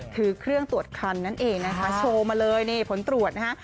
คือเครื่องตรวจคันนั่นเองนะคะโชว์มาเลยนี่ผลตรวจนะฮะ